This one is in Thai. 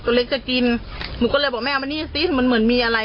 เล็กจะกินหนูก็เลยบอกแม่เอามานี่สิมันเหมือนมีอะไร